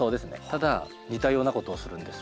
ただ似たようなことをするんです。